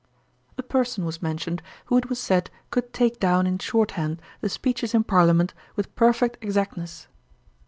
A person was mentioned, who it was said could take down in short hand the speeches in parliament with perfect exactness.